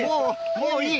「もういい」。